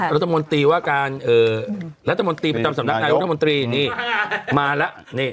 รัฐมนตรีว่าการรัฐมนตรีประจำสำนักนายุทธมนตรีนี่มาแล้ว